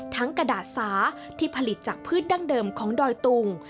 กระดาษสาที่ผลิตจากพืชดั้งเดิมของดอยตุง